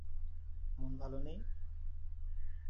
মন ভালো নেই?